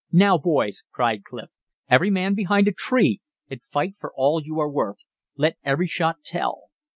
"Now, boys," cried Clif, "every man behind a tree and fight for all you are worth. Let every shot tell."